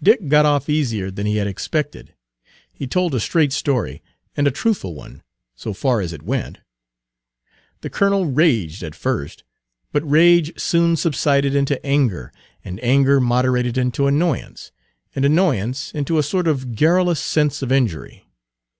Dick got off easier than he had expected. He told a straight story, and a truthful one, so far as it went. The colonel raged at first, but rage soon subsided into anger, and anger moderated into annoyance, and annoyance into a sort of garrulous sense of injury.